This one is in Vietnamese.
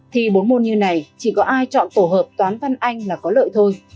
thì bốn môn như này chỉ có ai chọn tổ hợp toán văn anh là có lợi thôi